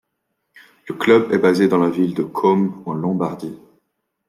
Le club est basé dans la ville de Côme, en Lombardie.